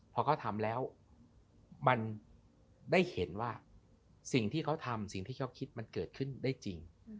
พอเขาทำแล้วมันได้เห็นว่าสิ่งที่เขาทำสิ่งที่เขาคิดมันเกิดขึ้นได้จริง